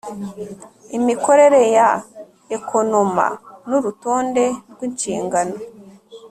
Imikorere ya Ekonoma n urutonde rw inshingano